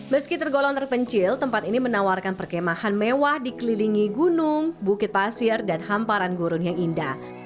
meski tergolong terpencil tempat ini menawarkan perkemahan mewah dikelilingi gunung bukit pasir dan hamparan gurun yang indah